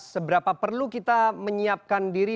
seberapa perlu kita menyiapkan diri